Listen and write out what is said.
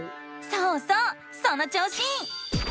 そうそうその調子！